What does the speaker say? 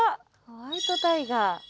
ホワイトタイガー。